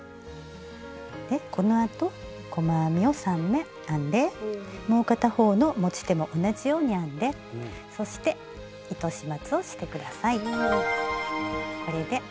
このあと細編みを３目編んでもう片方の持ち手も同じように編んでそして糸始末をして下さい。